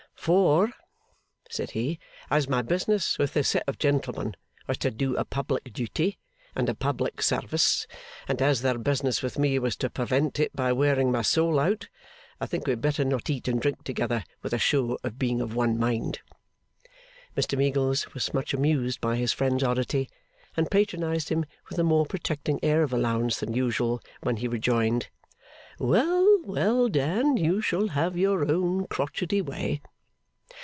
'For,' said he, 'as my business with this set of gentlemen was to do a public duty and a public service, and as their business with me was to prevent it by wearing my soul out, I think we had better not eat and drink together with a show of being of one mind.' Mr Meagles was much amused by his friend's oddity; and patronised him with a more protecting air of allowance than usual, when he rejoined: 'Well, well, Dan, you shall have your own crotchety way.